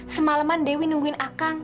semalam dewi menunggu saya